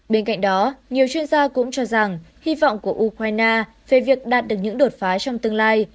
bên cạnh đó nhiều chuyên gia cũng cho rằng hy vọng của ukraine về việc đạt được những đột phá trong tương lai